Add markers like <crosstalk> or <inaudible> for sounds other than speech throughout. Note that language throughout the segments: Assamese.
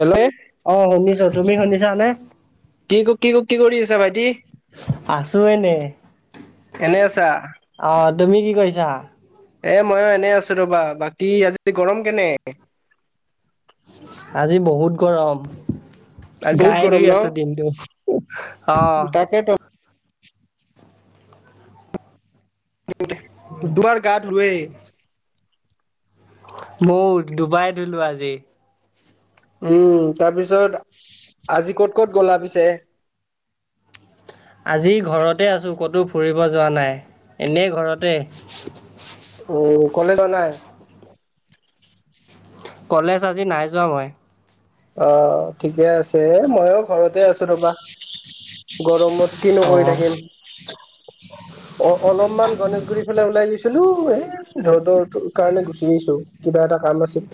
হেল্লে'। অহ, শুনিছোঁ। তুমি শুনিছানে? কি-কি-কি কৰি আছো ভাইটি? আছো এনেই। এনে আছা অহ, তুমি কি কৰিছা? এ মইয়ো এনেই আছো ৰ'বা। বাকী আজি গৰম কেনে? আজি বহুত গৰম। আজি বহুত গাই গৰম ধুই আছো দিনতটো অহ। সেইটো। <unintelligible> দুৱাৰ গা ধুৱেই। ময়ো দুবাৰ ধুলো আজি। উম, তাৰপিছত আজি ক'ত ক'ত গ'লা পিছে? আজি ঘৰতে আছোঁ ক'তো ফুৰিব যোৱা নাই, এনেই ঘৰতে। অহ, কলেজ যোৱা নাই। কলেজ আজি নাই যোৱা মই। অহ, ঠিকে আছে, মই ঘৰতে আছো ৰ'বা। গৰমত কিনো অ কৰি থাকিম। <unintelligible> অহ, অলপমান গণেশগুৰি ফালে ওলাই গৈছিলোঁ, এই ৰ'দৰ সেইটো কাৰণে গুচি আহিছোঁ৷ কিবা এটা কাম আছিল।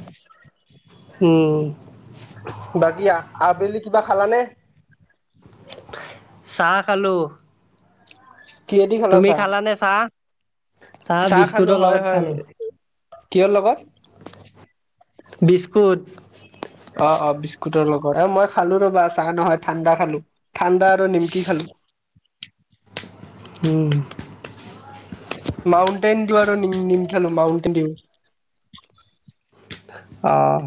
হম। বাকী আ-আবেলি কিবা খালানে? চাহ খালোঁ। কিহেদি খালা তুমি চাহ খালানে চাহ? চাহ খালোঁ বিস্কুটৰ হয়, লগত হয়। খালো কিহৰ লগত? বিস্কুট। অহ', অহ' বিস্কুটৰ লগত। এ মই খালোঁ ৰ'বা, চাহ নহয় ঠাণ্ডা খালোঁ ঠাণ্ডা আৰু নিমকি খালোঁ। উম। মাউণ্টেন দিউ আৰু নি-নিম খালোঁ মাউণ্টন দি অহ।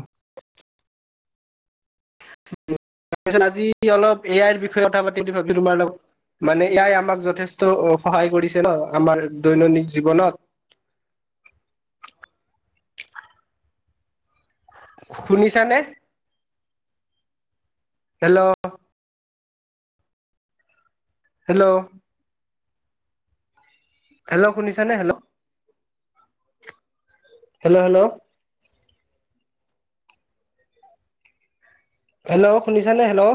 তাৰপিছত আজি অলপ এ আইৰ বিষয়ে কথা পাতিম ভাবিলোঁ তোমাৰ লগত। মানে এ আই আমাক যথেষ্ট সহায় কৰিছে ন' আমাৰ দৈনন্দিন জীৱনত। শুনিছানে? হেল্ল'। হেল্ল'। হেল্ল' শুনিছানে হেল্ল'। Hello, hello. হেল্ল' শুনিছানে হেল্ল'।